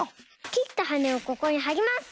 きったはねをここにはります！